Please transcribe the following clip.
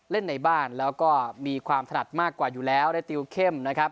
เล่นในบ้านแล้วก็มีความถนัดมากกว่าอยู่แล้วได้ติวเข้มนะครับ